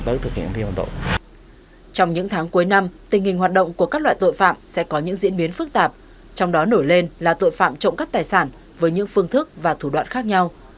trong những tháng cuối năm tình hình hoạt động của các loại tội phạm sẽ có những diễn biến phức tạp trong đó nổi lên là tội phạm trộm cắp tài sản với những phương thức và thủ đoạn khác nhau